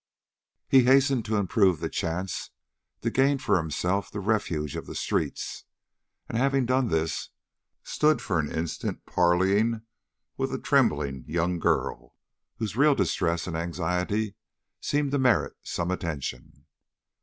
He hastened to improve the chance to gain for himself the refuge of the streets; and, having done this, stood for an instant parleying with a trembling young girl, whose real distress and anxiety seemed to merit some attention.